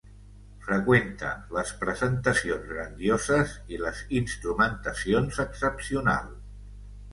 Freqüenta les presentacions grandioses i les instrumentacions excepcionals.